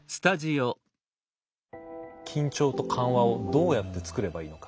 緊張と緩和をどうやって作ればいいのか。